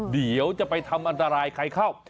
เดี๋ยวจะไปทำอันตรายใครเข้า